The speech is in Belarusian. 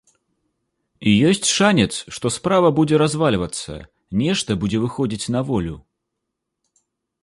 І ёсць шанец, што справа будзе развальвацца, нешта будзе выходзіць на волю.